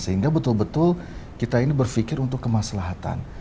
sehingga betul betul kita ini berpikir untuk kemaslahatan